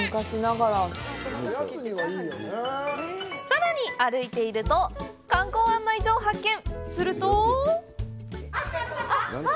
さらに歩いていると観光案内所を発見！